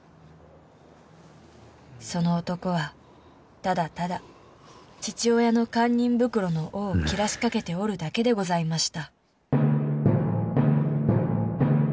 その男はただただ父親の堪忍袋の緒を切らしかけておるだけでございました